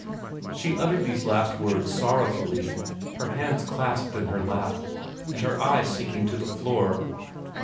She uttered these last words sorrowfully, her hands clasped in her lap, and her eyes sinking to the floor.